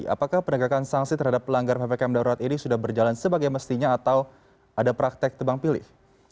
apakah penegakan sanksi terhadap pelanggar ppkm darurat ini sudah berjalan sebagai mestinya atau ada praktek tebang pilih